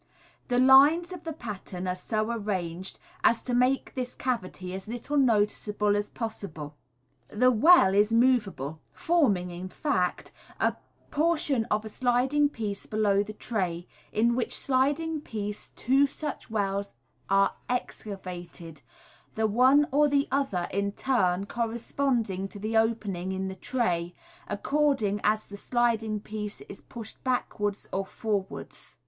The lines of the pattern are so arranged as to make this cavity as little noticeable as possible. The well is moveable, forming, in fact, a portion of a sliding piece below the tray, in which sliding piece two such wells are excavated, the one or the other in turn corresponding to the opening in the tray, according as the sliding piece is pushed back wards or forwards.